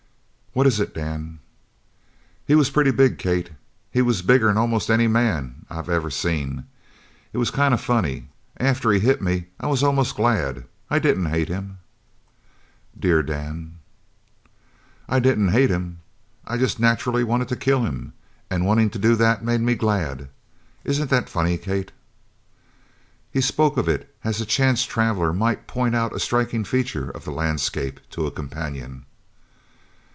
"What is it, Dan?" "He was pretty big, Kate. He was bigger'n almost any man I ever seen! It was kind of funny. After he hit me I was almost glad. I didn't hate him " "Dear Dan!" "I didn't hate him I jest nacherally wanted to kill him and wantin' to do that made me glad. Isn't that funny, Kate?" He spoke of it as a chance traveller might point out a striking feature of the landscape to a companion.